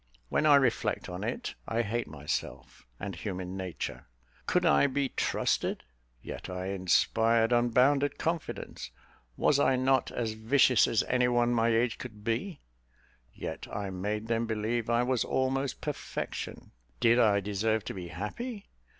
When I reflect on it, I hate myself and human nature! Could I be trusted? yet I inspired unbounded confidence. Was I not as vicious as one of my age could be? Yet I made them believe I was almost perfection. Did I deserve to be happy?